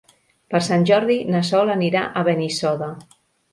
Per Sant Jordi na Sol anirà a Benissoda.